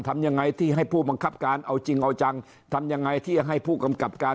ทำยังไงที่ให้ผู้บังคับการเอาจริงเอาจังทำยังไงที่จะให้ผู้กำกับการ